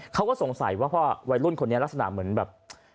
เขาก็สงสัยว่าพอวัยรุ่นคนนี้ลักษณะเหมือนแบบ